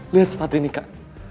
lihat seperti ini kak